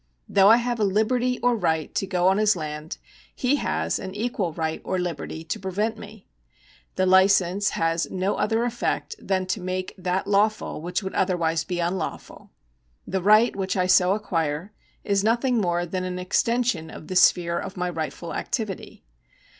Though I have a liberty or right to go on his land, he has an equal right or liberty to prevent me. The licence has no other effect than to make that lawful which would otherwise be unlawful. The right which I so acquire is nothing more than an extension of the sphere of my rightful activity.